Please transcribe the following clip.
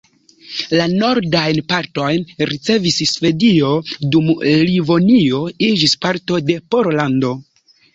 La nordajn partojn ricevis Svedio, dum Livonio iĝis parto de Pollando.